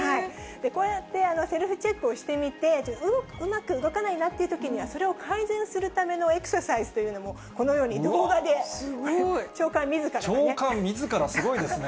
こうやってセルフチェックをしてみて、うまく動かないってときには、それを改善するためのエクササイズというのも、このように動画で長官みずからね。